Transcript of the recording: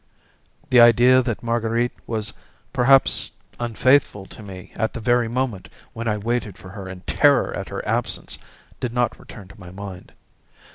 The idea that Marguerite was perhaps unfaithful to me at the very moment when I waited for her in terror at her absence did not return to my mind.